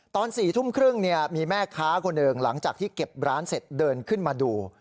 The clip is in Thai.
ตอน๔ทุ่มครึ่งมีแม่ค้าคนหนึ่งหลังจากที่เก็บร้านเสร็จเดินขึ้นมาดู